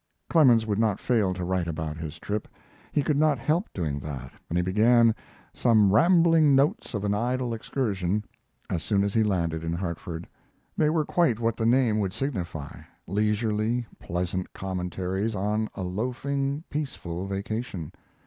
Clemens would not fail to write about his trip. He could not help doing that, and he began "Some Rambling Notes of an Idle Excursion" as soon as he landed in Hartford. They were quite what the name would signify leisurely, pleasant commentaries on a loafing, peaceful vacation.